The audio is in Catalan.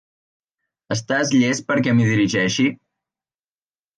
Estàs llest perquè m'hi dirigeixi?